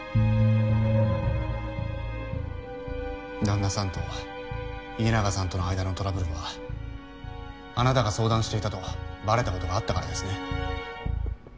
旦那さんと家長さんとの間のトラブルはあなたが相談していたとバレたことがあったからですね？